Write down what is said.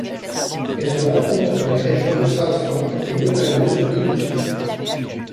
Elle se rencontre dans les régions de Southland et d'Otago sur l'île du Sud.